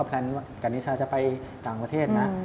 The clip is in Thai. แพลนการิชาจะไปต่างประเทศนะ